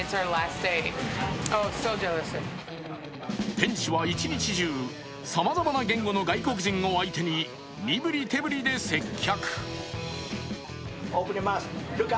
店主は一日中、さまざまな言語の外国人を相手に身振り手振りで接客。